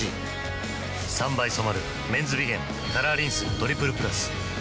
３倍染まる「メンズビゲンカラーリンストリプルプラス」